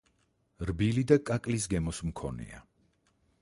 რბილი და კაკლის გემოს მქონეა.